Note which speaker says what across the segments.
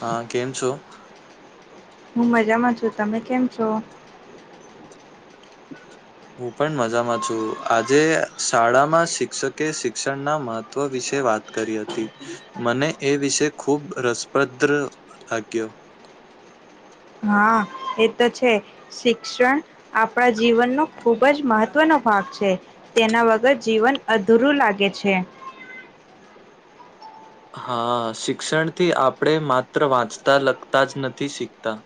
Speaker 1: હા, કેમ છો.
Speaker 2: મુંબઈ જમા છો, તમે કેમ છો. [unintelligible]
Speaker 1: હું, પણ મજામાં છું, આજે શાળામાં શિક્ષકે શિક્ષણના મહત્વ વિશે વાત કરી હતી, મને એ વિષ ખુબ રસપ્રદ લાગ્યો
Speaker 2: હા, એ તો છે, શિક્ષણ આપણા જીવન ન ખૂબજ મહત્વનોો ભાગ છે. તેના વગર જીવન અધૂરું લાગે છે.
Speaker 1: હા શિક્ષણથી આપણે માત્ર વાંચતા લગતા જ નથી શીખતા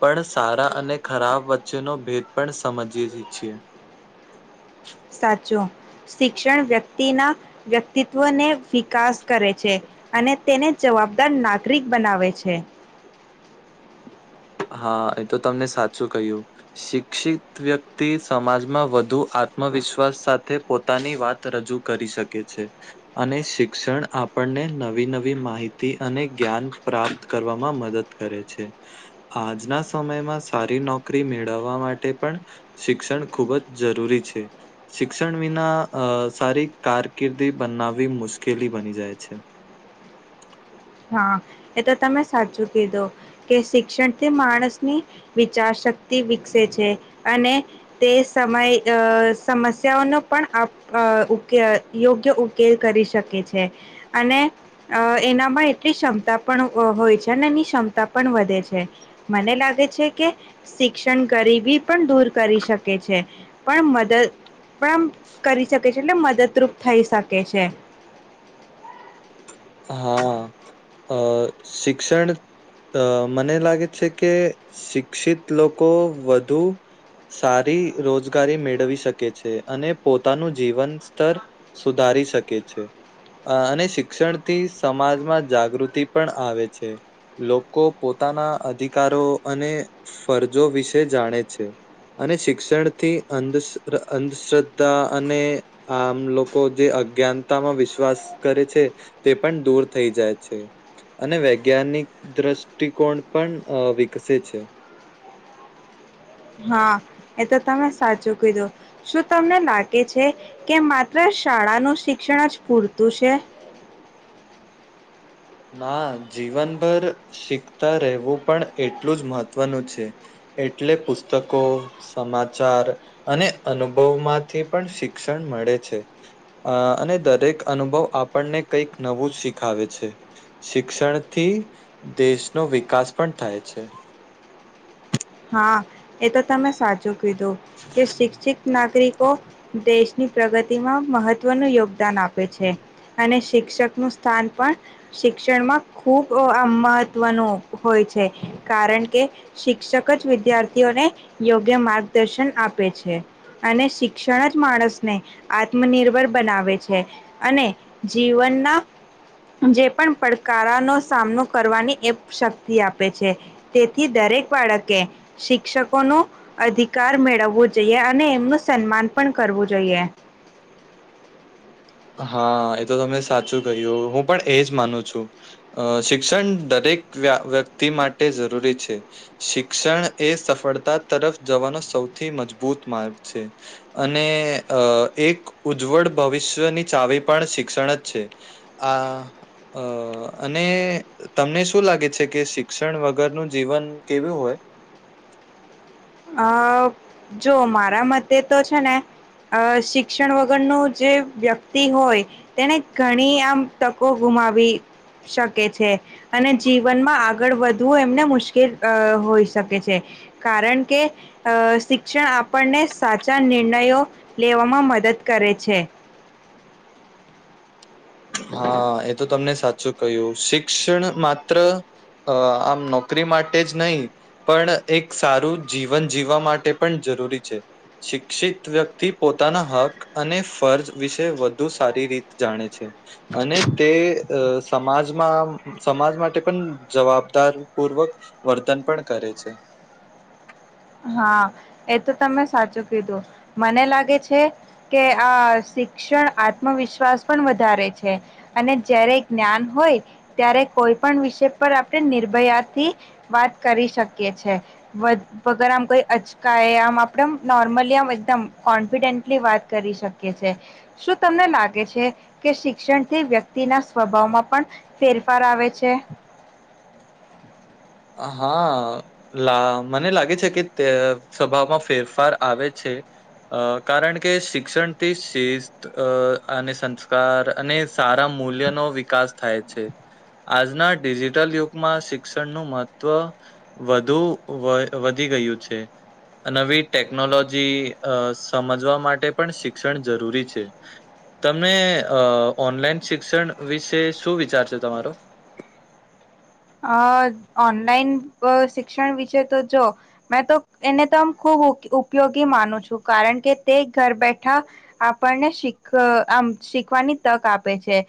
Speaker 1: પણ સારા અને ખરાબ વચ્ચેનો ભેદ પણ સમજીએ છીએ
Speaker 2: સાચો શિક્ષણ વ્યક્તિ ના વ્યક્તિત્વને વિકાસ કરે છે અને તેને જવાબદાર નાગરિક બનાવે છે
Speaker 1: હા એ તો તમને સાચું કહ્યું શિક્ષિત વ્યક્તિ સમાજમાં વધુ આત્મવિશ્વાસ સાથે પોતાની વાત રજૂ કરી શકે છે અને શિક્ષણ આપણે નવી નવી માહિતી અને જ્ઞાન પ્રાપ્ત કરવામાં મદદ કરે છે આજના સમયમાં સારી નોકરી મેળવવા માટે પણ શિક્ષણ ખુબ જ જરૂરી છે શિક્ષણ વિના સારી કારકિર્દી બનાવી મુશ્કેલી બની જાય છે અચ્છા
Speaker 2: [unintelligible] હા એ તો તમે સાચું કીધું કે શિક્ષણ થી માણસની વિચાર શક્તિ વિકસે છે અને તે સમય સમસ્યાઓનો પણ અ ઉકેલ યોગ્ય ઉકેલ કરી શકે છે અને અ એનામાં એટ ક્ષમતા પણ હોય છે અને એની ક્ષમતા પણ વધે છે મને લાગે છે કે શિક્ષણ ગરીબી પણ દૂર કરી શકે છે પણ મદદ પણ કરી શકે છે એટલે મદદરૂપ થઈ શકે છે
Speaker 1: હા અ શિક્ષણ અ મને લાગે છે કે શિક્ષિત લોકો વધુ સારી રોજગારી મેળવી શકે છે અને પોતાનું જીવન સ્તર સુધાર શકે છે અને શિક્ષણ થી સમાજમાં જાગૃતિ પણ આવે છે લોકો પોતાના અધિકારો અને ફરજો વિશે જાણે છે અને શિક્ષણથી અંધ અંધશ્રદ્ધા અને આમ લોકો જે અજ્ઞાનતામાં વિશ્વાસ કરે છે તે પણ દૂર થઈ જાય છે અને વૈજ્ઞાનિક દ્રષ્ટિકોણ પણ વિકસે છે
Speaker 2: [unintelligible] હા એ તો તમે સાચું કીધો શું તમને લાગે છે કે માત્ર શાળાનુંું શિક્ષણ જ પૂરતું છે
Speaker 1: ના જીવનભર શીખતા રહેવું પણ એટલું જ મહત્વનું છે એટલે પુસ્તકો સમાચાર અને અનુભવમાંથી પણ શિક્ષણ મળે છે અને દરેક અનુભવ આપણને કઈક નવું જ શીખાવે છે શિક્ષણથી દેશનો વિકાસ પણ થાય છે
Speaker 2: હા એ તો તમે સાચું કીધું કે શિક્ષિત નાગરિકો દેશની પ્રગતિમાં મહત્વનું યોગદાન આપે છે અને શિક્ષક નું સ્થાન પણ શિક્ષણમાં ખુબ મહત્વનું હોય છે કારણ કે શિક્ષક એક જ વિદ્યાર્થીઓને યોગ્ય માર્ગદર્શન આપે છે અને શિક્ષણ જ માણસને આત્મનિર્ભર બનાવે છે અને જીવન ના ના જે પણ પડકારાનો સામનો કરવાની એ શક્તિ આપે છે તેથી દ હરેક બાળક કે શિક્ષકો નો અધિકાર મેળવવો જોઈએ અને એમનું સન્માન પણ કરવું જોઈએ [inaudible]
Speaker 1: હા એ તો તમને સાચું કહ્યું હું પણ એજ માનું છું અ શિક્ષણ દરેક વ્યક્તિ માટે જરૂરી છે શિક્ષણ એ સફળતા તરફ જવાનો સૌથી થી મજબૂત માર્ગ છે અને એક ઉજ્જવળ ભવિષ્યની ાવ પણ શિક્ષણ જ છે અને તમને શું શું લાગે છે કે શિક્ષણ વગરનું જીવન કેવું હોય
Speaker 2: અ જો મારા મતે તો છે ને અ શિક્ષણ વગર ન જે વ્યક્તિ હોય તેને ઘણી આમ તકો ગુ માવી શકે છે અને જીવનમાં આગળ વધવું એમને મુશ્કેલ હોઈ શકે છે કારણ કે અ શિક્ષણ આપણને સાચા નિર્ણયો લેવામાં મદદ કરે છે [inaudible]
Speaker 1: હા એ તો તમને સાચું કહ્યું શિક્ષણ માત્ર અ આમ નોકરી માટે જ નહીિ પણ એક સારું જીવન જીવવા માટે પણ જરૂરી છે શિક્ષિત વ્યક્તિ પોતાના હક અને ફર્જ વિશે વધુ સારી રીત જાણે છે અને તે સમાજમાં સમાજ માટે પણ જવાબદાર પૂર્વક વર્તન પણ કરે છે
Speaker 2: [inaudible] હા એ તો તમે સાચું કીધું મને લાગે છે કે આ શ્ આત્મવિશ્વાસ પણ વધારે છે અને જ્યારે જ્ઞાન હોય ત્યારે કોઈ કોઈ પણ વિષય પર આપણે નિર્ભયાથી વાત કરી શકીએ છે વગર આમ કોઈ અચકાય આમ આપણેેમ નોર્મલી આમ એકદમ કોન્ફિડેન્ટલી વાત કરી શકીએ છીએ શું તમને લાગે છે કે શિક્ષણથી વ્યક્તિના સ્વભાવમાં પણ ફેરફાર આવે છે
Speaker 1: હા લા મને લાગે છે કે તે સભામાં ફેરફાર આવે છે અ કારણ કે શિક્ષણથી શિસ્ત અને સંસ્કાર અને સારામાં મૂલ્યનો વિકાસ થાય છે આજના ડિજિટલ યુગમાં શિક્ષણનું મહત્વ તવ વધુ વધી ગયું છે નવી ટેકનોલોજી અ સમજવા માટે પણ શિક્ષણ જરૂરી છે તમને અ ઓનલાઈન શિક્ષણ વિશે શું વિચારશે તમારો
Speaker 2: [inaudible] અ ઓનલાઈન શિક્ષણ વિશે તો જો મેં તો એને તો આમ ખુબ ઉપયોગી માનું છું કારણ કે તે ઘર બેઠા આપણને શીખ શીખવાની તક આપે છે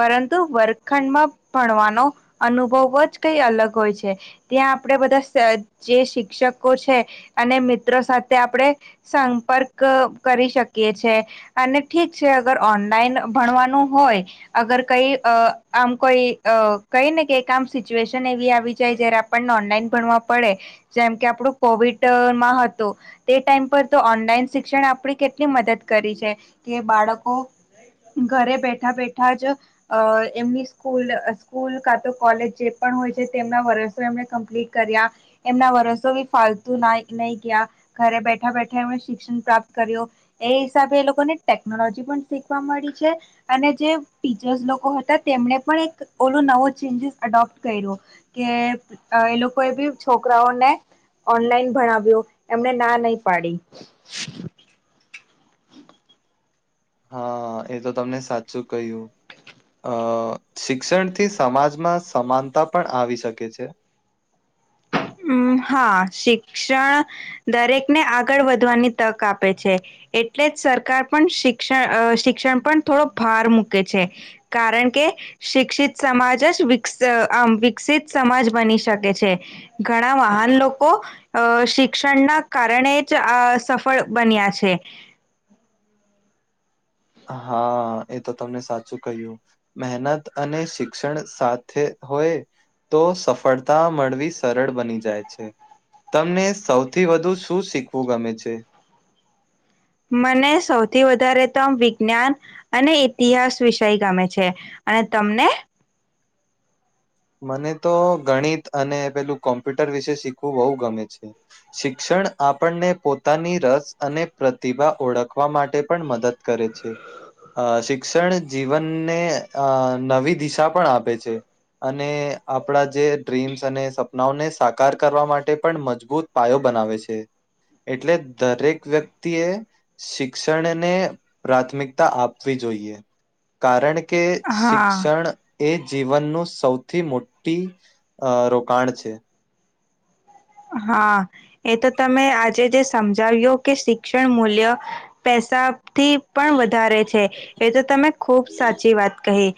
Speaker 2: પરંતુ વર્ખંડમાં ભણવાનો અનુભવ જ કઈ અલગ હોય છે ત્યાં આપડે બધા જે શિક્ષકો છે અને મિત્ર સાથે આપણે સંપર્ક કરી શકીએ છ છે અને ઠીક છે અગર ઓન લાઈન ભણવાનું હોય અગર કઈ આમ કોઈ કઈ ને કે આમ સન એવી આવી જાય જયારે આપણને ઓનલાઈન ભણવા પડે જેમ કે આપડું કોવિડમાં હતું તે ટાઈમ પર તો ઓનલાઈન શિક્ષણ આપણે કેટલી મદદ કરી છે કે બાળકો ઘરે બેઠા બેઠા જ અ એમની સ્કૂલ સ્કૂલ કા તો કોલેજ જે પણ હોય છે તેમના વરસો એમને કમ્પ્લીટ કર્યા એમના વરસો બી ફાલતુ ના નહી ગયા ઘરે બેઠા બેઠા એમણે શિક્ષણ પ્રાપ્ત કર્યું એ હિસાબે એ લોકોને ટેકનોલોજી પણ શીખવા મળી અને જે ટીચર્સ લોકો હતા તેમને પણ એક ઓલું નવો ચેન્જસ એડોપ કર્યું કે એ લોકો એ બી છોકરાઓને ઓનલાઈન ભણાવ્યો એમને ના નહી પાડી
Speaker 1: હા એ તો તમને સાચું કહ્યું. અ શિક્ષણથી સમાજમાં સમાનતા પણ આવી શકે છે.
Speaker 2: તો હમ હા શિક્ષણ દરેકને આગળ વધવાની તક આપે છે. એટલે જ સરકાર પણ શિક્ષણ શિક્ષણ પર થોડો ભાર મૂકે છે કારણ કે શિક્ષિત સમાજ જ આમ વિકસિત સમાજ બની શકે છે. ઘણા વાહન લોકો અ શિક્ષણ ના કારણે જ આ સફળ બન્યા છે. [inaudible]
Speaker 1: હા એ તો તમને સાચું કહ્યું મહેનત અને શિક્ષણ સાથે હોય તો સફળતા મળવી સરળ બની જાય છે. તમને સૌથી વધુ શું શીખવું ગમે છે.
Speaker 2: મને સૌથી વધારે તો વિજ્ઞાન અને ઇતિહાસ વિષય ગમે છે. અને તમને
Speaker 1: મને તો ગણિત અને પેલું કોમ્પ્યુટર વિશે શીખવું બહુ ગમે છે શિક્ષણ જણ આપણને પોતાની રસ અને પ્રતિભા ઓળખવા માટે પણ મદદ કરે છે. અ શિક્ષણ જીવનને અ નવી દિશા પણ આપે છે. અને આપણા જે ડ્રીમ્સ અને સપનાઓને સાકાર કરવા માટે પણ મજબૂત પાયો બનાવ આવે છે. એટલે દરેક વ્યક્તિ એ શિક્ષણને પ્રાથમિકતા આપવી જોઈ કારણ કે
Speaker 2: હા
Speaker 1: શિક્ષણ એ જીવનનું સૌથી મોટી રોકાણ છે.
Speaker 2: હા એ તો તમે આજે જે સમજાવ્યો કે શિક્ષણ મૂલ્ય પ પૈસાથી પણ વધારે છે એ તો તમે ખુબ સાચી વાત કહી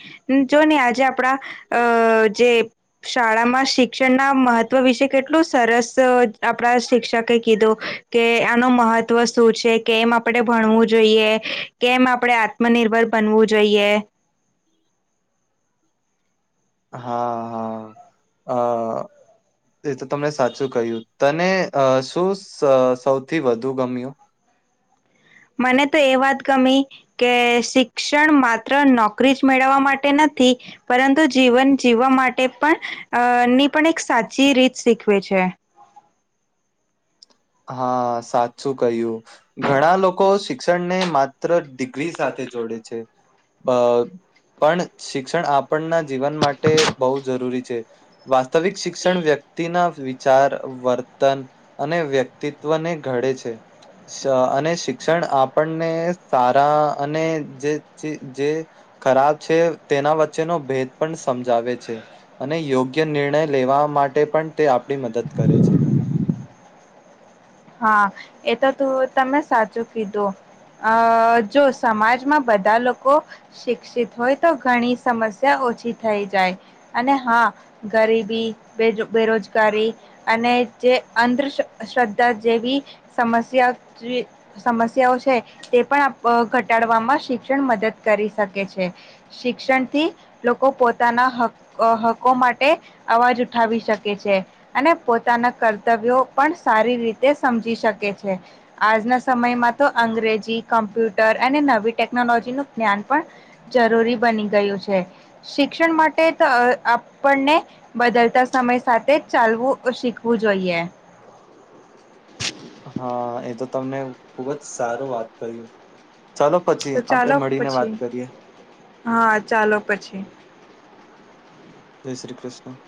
Speaker 2: જો આજે આપણા અ જે શાળામાં શિક્ષણના મહત્વ વિશે કેટલું સરસ આપડા શિક્ષકે કીધું કે આનું મહત્વ શું છે કે એમ આપે ભણવું જોઈએ કેમ આપડણે આત્મનિર્ભર બનવું જોઈએ
Speaker 1: હા હા અ એ તો તમને સાચું કહ્યું તને શું સૌથી વધુ ગમ્યું.
Speaker 2: મને તો એ વાત ગમી કે શિક્ષણ માત્ર નોકરી જ મેળવવા માટે નથી પરંતુ જીવન જીવવા માટે પણ અ ની પણ એક સાચી રીત શીખવે છે. છે
Speaker 1: હા સાચું કહ્યું ઘણા લોકો શિક્ષણને માત્ર ડિગ્રી સાથે જોડે છે અ પણ શિક્ષણ આપણના જીવન માટે બહુ જરૂરી છે વાસ્તવિક શિક્ષણ વ્યક્તિ વ્યક્તિના વિચાર વર્તન અને વ્યક્તિત્વને ઘડે છે. અને શિક્ષણ આપણને સારા અને જે જે ખરાબ છે તેના વચ્ચેનો ભેદ પણ સમજાવે છે અને યોગ્ય નિર્ણય લેવા માટે પણ તે આપણી મદદ કરે છે.
Speaker 2: [inaudible] હા એ તો તું તમે સાચું કીધું અ જો સમાજમાં બધા લોકો શિક્ષિત હોય તો ઘણી સમસ્યા ઓછી થઈ જાય અને હા ગરીબી બેરોજગારી અને ચે અંધ શ્રદ્ધા જેવી સમસ્યા સમસ્યાઓ છે તે પણ ઘટાડવામાં શિક્ષણ મદદ કરી શકે છે શિક્ષણથી લોકો પોતાના લોકો માટે અવાજ ઉઠાવી શકે છે અને પોતાના કર્તવ્યો પણ સારી રીતે સમજી શકે છે આજના સમયમાં તો અંગ્રેજી કમ્પ્યુટર અને નવી ટેક ટેનોલોજી નું જ્ઞાન પણ જરૂરી બની ગયું છે શિક્ષણ માટે તો આપને બદલતા સમય સાથે ચાલવું, શીખવું જોઈએ.
Speaker 1: હા એ તો તમને ખુબ જ સારું વાત કર્યું. ચાલો,
Speaker 2: તો
Speaker 1: પછી આપડે
Speaker 2: ચાલો
Speaker 1: મળીને વાત
Speaker 2: પછી
Speaker 1: કરીએ.
Speaker 2: હા ચાલો પછી
Speaker 1: જય શ્રી કૃષ્ણ.